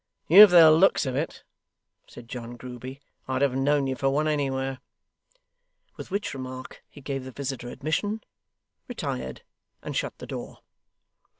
'You've the looks of it,' said John Grueby. 'I'd have known you for one, anywhere.' With which remark he gave the visitor admission, retired, and shut the door.